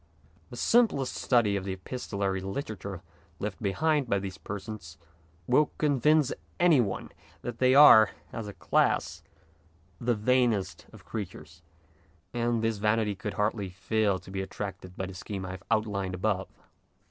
The simplest study of the epistolary literature left behind by these persons will convince any one that they are, as a class, the vainest of creatures, and this vanity could hardly fail to be attracted by the scheme I have out lined above.